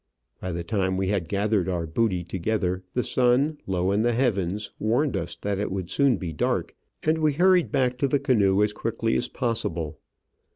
By the time we had gathered our booty together, the sun, low in the heavens, warned us that it would soon be dark, and we hurried back to the canoe as quickly as possible.